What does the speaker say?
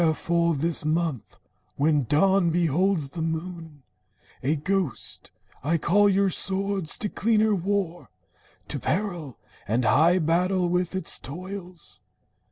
Wherefore, this month, when dawn beholds the moon A ghost, I call your swords to cleaner war, To peril, and high battle with its toils.